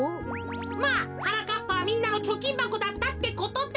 まあはなかっぱはみんなのちょきんばこだったってことだ。